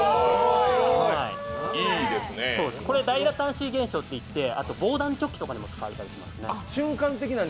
ダイラタンシー現象っていって防弾チョッキとかにも使われていますね。